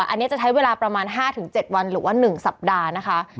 อันนี้จะใช้เวลาประมาณ๕๗วันหรือว่า๑สัปดาห์นะคะ